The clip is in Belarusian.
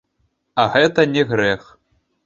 А гэта не грэх.